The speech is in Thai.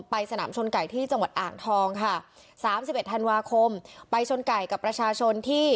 สนามชนไก่ที่จังหวัดอ่างทองค่ะสามสิบเอ็ดธันวาคมไปชนไก่กับประชาชนที่